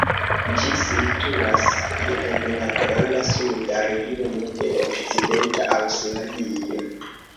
Ĝi situas je en la Granda Suda regiono de Okcidenta Aŭstralio.